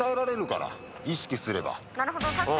意識すれば。